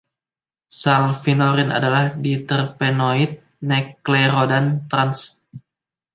Salvinorin adalah diterpenoid neoklerodane "trans".